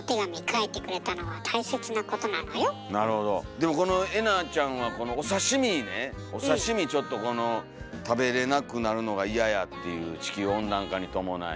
でもこのえなちゃんはこのお刺身ねお刺身ちょっとこの食べれなくなるのが嫌やっていう地球温暖化に伴い。